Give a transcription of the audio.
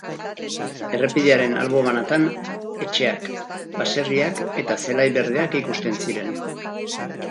Errepidearen albo banatan, etxeak, baserriak eta zelai berdeak ikusten ziren.